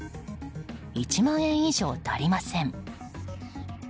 １万円以上足りません。